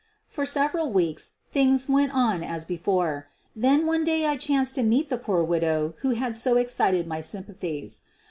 For several weeks things went on as before. Then one day I chanced to meet the poor widow who had so excited my sympathies.